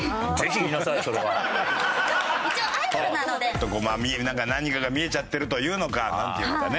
ちょっとこう何かが見えちゃってるというのかなんていうのかね。